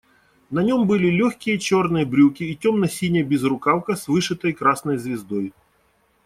На нем были легкие черные брюки и темно-синяя безрукавка с вышитой красной звездой.